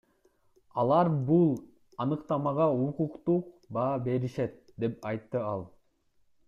Алар бул аныктамага укуктук баа беришет, — деп айтты ал.